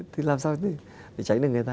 thì làm sao để tránh được người ta